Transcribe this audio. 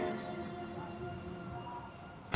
ya udah boneka bonekaan domba